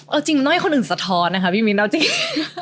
เอาจริงน้อยคนอื่นสะท้อนนะคะพี่มิ้นเอาจริง